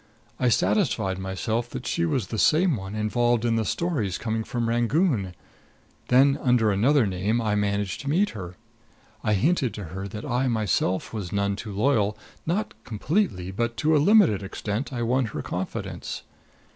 I satisfied myself that she was the same one involved in the stories coming from Rangoon; then, under another name, I managed to meet her. I hinted to her that I myself was none too loyal; not completely, but to a limited extent, I won her confidence.